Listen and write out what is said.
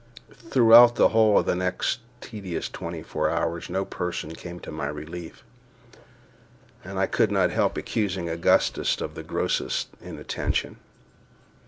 Throughout the whole of the next tedious twenty four hours no person came to my relief, and I could not help accusing Augustus of the grossest inattention.